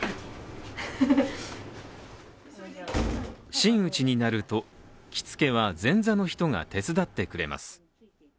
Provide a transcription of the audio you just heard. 真打ちになると、着付けは前座の人が手伝ってくれます。